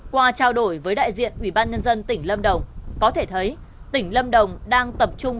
qua trao đổi với đại diện ủy ban nhân dân tỉnh lâm đồng có thể thấy tỉnh lâm đồng đang tập trung